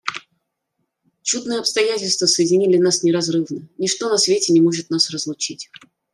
Чудные обстоятельства соединили нас неразрывно: ничто на свете не может нас разлучить».